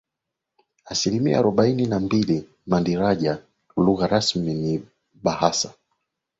Asilimia arobaini na mbili Mandiraja Lugha rasmi ni Bahasa